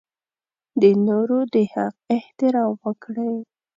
د نورو د حق احترام وکړئ.